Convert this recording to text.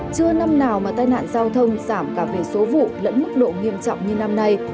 chưa năm nào mà tai nạn giao thông giảm cả về số vụ lẫn mức độ nghiêm trọng như năm nay